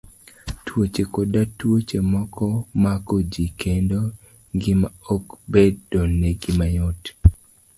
Tuoche koda tuoche moko mako ji, kendo ngima ok bedonegi mayot.